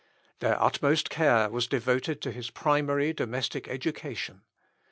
Their utmost care was devoted to his primary domestic education.